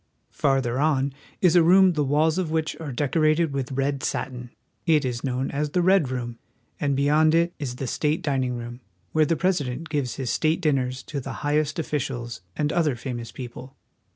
Farther on is a room the walls of which are decorated with red satin ; it is known as the Red Room ; and beyond 2^ WASHINGTON. it is the state dining room, where the President gives his state dinners to the highest officials and other famous peo ple.